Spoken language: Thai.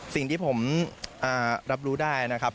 สิ่งที่ผมรับรู้ได้นะครับ